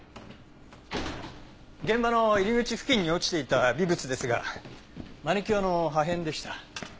現場の入り口付近に落ちていた微物ですがマニキュアの破片でした。